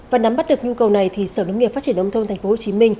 và nắm bắt được nhu cầu này thì sở nông nghiệp phát triển nông thôn tp hcm